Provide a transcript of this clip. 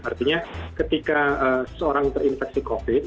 artinya ketika seorang terinfeksi covid